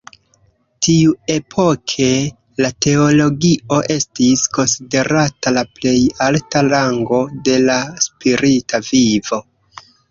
Tiuepoke, la teologio estis konsiderata la plej alta rango de la spirita vivo.